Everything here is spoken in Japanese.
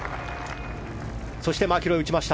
そして、マキロイが打ちました。